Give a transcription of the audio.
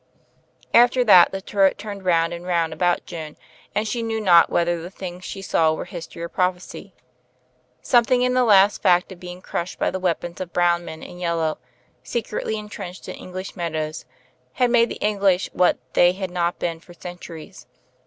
After that the turret turned round and round about Joan and she knew not whether the things she saw were history or prophecy. Something in that last fact of being crushed by the weapons of brown men and yellow, secretly entrenched in English mea dows, had made the English what they had not been for centuries.